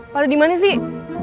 pada di mana sih